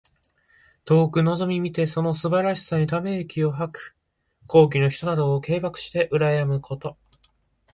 遠くのぞみ見てその素晴らしさにため息を吐く。高貴の人などを敬慕してうらやむこと。